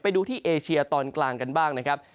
ไปดูที่เอเชียตอนกลางกันบ้างนะครับ